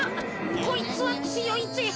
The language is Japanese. こいつはつよいぜ。